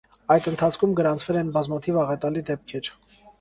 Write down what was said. Այդ ընթացքում գրանցվել են բազմաթիվ աղետալի դեպքեր։